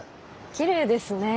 きれいですねえ。